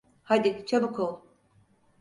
Hadi çabuk ol.